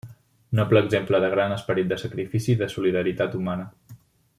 Noble exemple de gran esperit de sacrifici i de solidaritat humana.